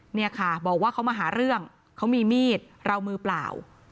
เนี่ยค่ะบอกว่าเขามาหาเรื่องเขามีมีดเรามือเปล่า